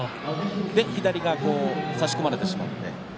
左が差し込まれてしまった。